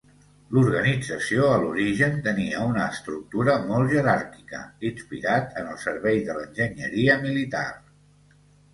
L'organització a l'origen tenia una estructura molt jeràrquica, inspirat en el servei de l'enginyeria militar.